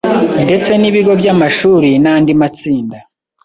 Ndetse n’ibigo by’amashuri n’andi matsinda